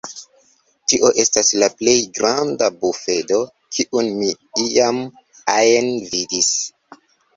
Tio estas la plej granda bufedo kiun mi iam ajn vidis.